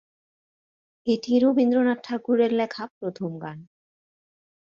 এটিই রবীন্দ্রনাথ ঠাকুরের লেখা প্রথম গান।